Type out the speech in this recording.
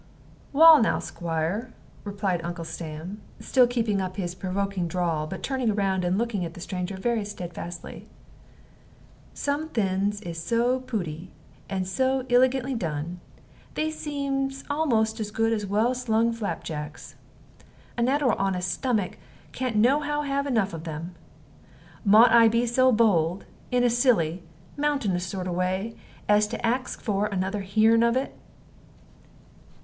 "Wal, now, Squire," replied Uncle Sam, still keeping up his provoking drawl, but turning round and looking at the stranger very steadfastly, "some thin's is so pooty and so ilegantly done, they seems a'most as good as well slung flapjacks. A natteral honest stomick can't nohow have enough of them. Mought I be so bold, in a silly, mountaneous sort of a way, as to ax for another heerin' of it?"